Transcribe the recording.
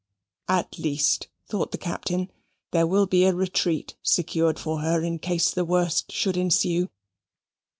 "At least," thought the Captain, "there will be a retreat secured for her in case the worst should ensue."